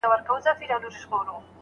چې دې سترگو زما و زړه ته کړی پول دی